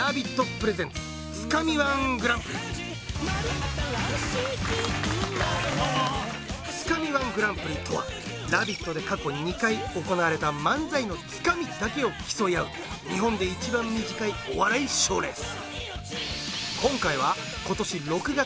ｐｒｅｓｅｎｔｓつかみ−１グランプリつかみ−１グランプリとは「ラヴィット！」で過去に２回行われた漫才のつかみだけを競い合う日本でいちばん短いお笑い賞レース